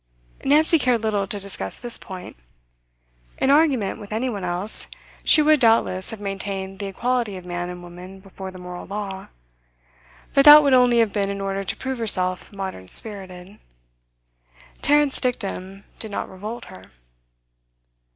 Nancy cared little to discuss this point. In argument with any one else, she would doubtless have maintained the equality of man and woman before the moral law; but that would only have been in order to prove herself modern spirited. Tarrant's dictum did not revolt her.